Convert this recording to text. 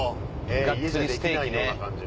がっつりステーキね。